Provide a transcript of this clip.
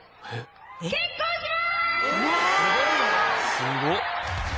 すごっ！